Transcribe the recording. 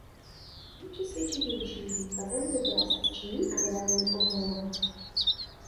Nejpřesvědčivějším důkazem by byla zatčení a vydání obžalovaných.